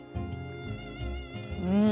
うん！